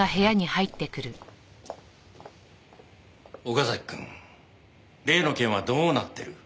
岡崎くん例の件はどうなってる？